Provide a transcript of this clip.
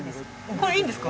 これいいんですか？